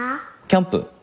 キャンプ？